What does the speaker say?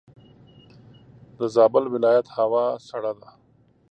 دزابل ولایت هوا سړه ده.